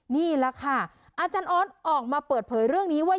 นี่แหละค่ะอาจารย์ออสออกมาเปิดเผยเรื่องนี้ว่า